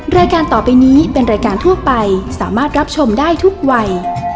รายการต่อไปนี้เป็นรายการทั่วไปสามารถรับชมได้ทุกวัย